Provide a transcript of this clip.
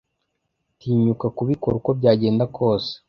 tinyuka kubikora uko byagenda kose